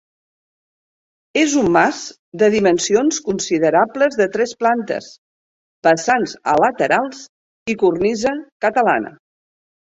És un mas de dimensions considerables de tres plantes, vessants a laterals i cornisa catalana.